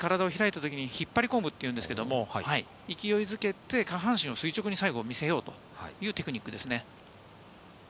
引っ張りこむというんですが、勢いづけて下半身を垂直に見せようというテクニックですね。